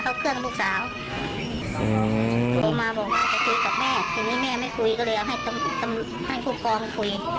โทรมาบอกว่าจะคุยกับแม่ทีนี้แม่ไม่คุยก็เลยเอาให้ผู้กรรมคุย